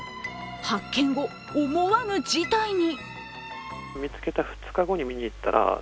発見後、思わぬ事態に。